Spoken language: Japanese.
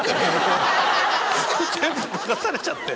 服全部脱がされちゃって。